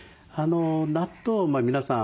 納豆皆さん